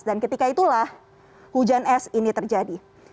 dan ketika itulah hujan es ini terjadi